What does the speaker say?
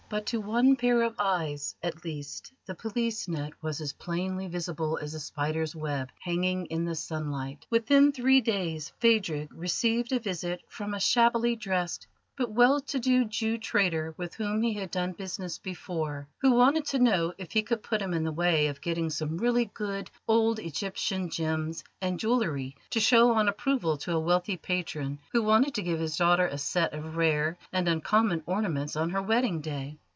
But to one pair of eyes, at least, the police net was as plainly visible as a spider's web hanging in the sunlight. Within three days Phadrig received a visit from a shabbily dressed but well to do Jew trader with whom he had done business before, who wanted to know if he could put him in the way of getting some really good old Egyptian gems and jewellery to show on approval to a wealthy patron who wanted to give his daughter a set of rare and uncommon ornaments on her wedding day.